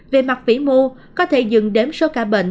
về mặt vĩ mô có thể dừng đến số ca bệnh